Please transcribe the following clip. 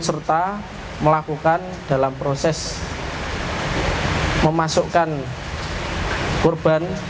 kedua ksa dan pid